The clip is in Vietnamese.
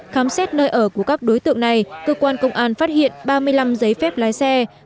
khám xét nơi ở của các đối tượng này cơ quan công an phát hiện ba mươi năm giấy phép lái xe